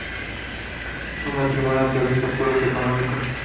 Un matrimonio atraviesa apuros económicos.